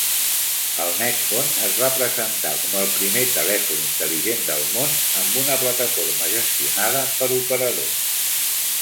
El Netphone es va presentar com el primer telèfon intel·ligent del món amb una plataforma gestionada per operador.